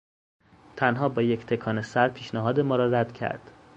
تنها با یک تکان سر پیشنهاد ما را رد کرد.